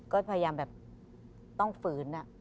ก็พยายามแบบต้องฝืน